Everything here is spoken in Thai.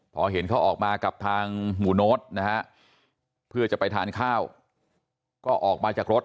พอเห็นเขาออกมากับทางหมู่โน้ตนะฮะเพื่อจะไปทานข้าวก็ออกมาจากรถ